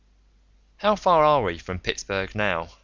'" "How far are we from Pittsburgh now?"